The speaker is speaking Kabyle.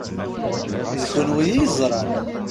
D kunwi i yeẓṛan.